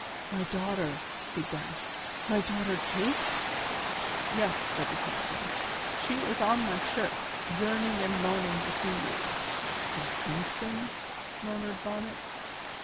"My daughter!" he gasped. "My daughter Kate?" "Yes," said the captain; "she is on my ship, yearning and moaning to see you." "From Kingston?" murmured Bonnet.